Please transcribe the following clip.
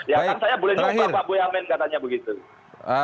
ya kan saya boleh nyoba pak boyamin katanya begitu